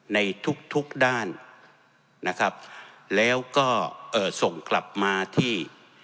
ในทุกทุกด้านนะครับแล้วก็เอ่อส่งกลับมาที่